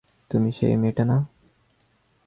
তুমি সেই মেয়েটা না?